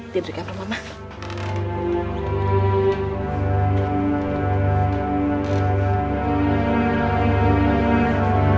dia berikan para mama